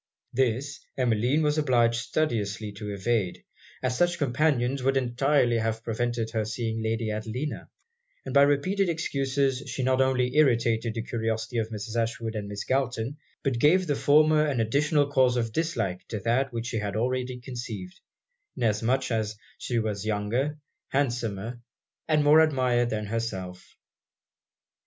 This, Emmeline was obliged studiously to evade, as such companions would entirely have prevented her seeing Lady Adelina; and by repeated excuses she not only irritated the curiosity of Mrs. Ashwood and Miss Galton, but gave the former an additional cause of dislike to that which she had already conceived; inasmuch as she was younger, handsomer, and more admired than herself.